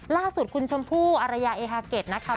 ล่าสุดคุณชมพู่อารยาเอฮาเก็ตนะคะ